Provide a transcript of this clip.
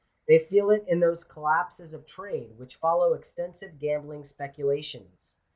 They feel it in those collapses of trade, which follow extensive gam bling speculations.